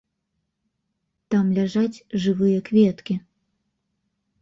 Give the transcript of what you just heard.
Там ляжаць жывыя кветкі.